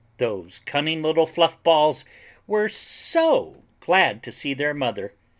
Those cunning little fluff balls were so glad to see their mother.